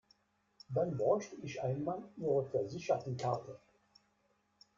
Dann bräuchte ich einmal ihre Versichertenkarte.